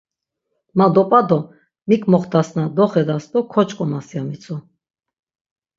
"Ma dop̌a do mik moxtasna doxedas do koç̆k̆omas" ya mitzu.